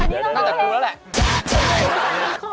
นั่นแต่กูแล้วแหละ